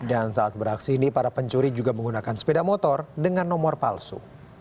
dan saat beraksi ini para pencuri juga menggunakan sepeda motor dengan nomor palsu